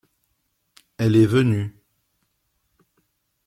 Elle est venue.